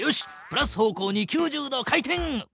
プラス方向に９０度回転！